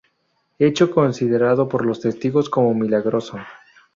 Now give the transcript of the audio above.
Hecho considerado por los testigos como milagroso.